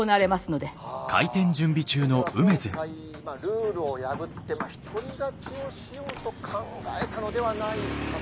では今回ルールを破って一人勝ちをしようと考えたのではないかと。